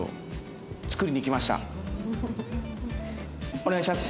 お願いします！